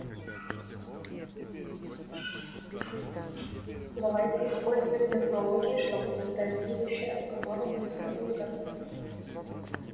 Давайте использовать технологии, чтобы создать будущее, которым мы сможем гордиться.